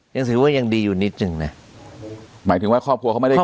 ยังถือว่ายังดีอยู่นิดนึงนะหมายถึงว่าครอบครัวเขาไม่ได้